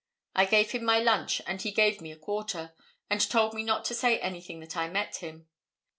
I gave him my lunch, and he gave me a quarter, and told me not to say anything that I met him.